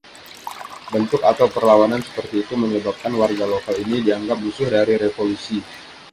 Bentuk atau perlawanan seperti itu menyebabkan warga lokal ini dianggap musuh dari Revolusi.